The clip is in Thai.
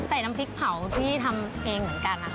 น้ำพริกเผาที่ทำเองเหมือนกันนะคะ